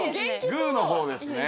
グーの方ですね。